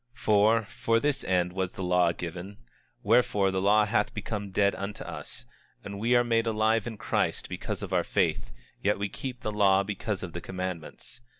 25:25 For, for this end was the law given; wherefore the law hath become dead unto us, and we are made alive in Christ because of our faith; yet we keep the law because of the commandments.